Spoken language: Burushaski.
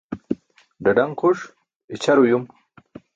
Ḍaḍaṅ xuṣ ićʰar uyum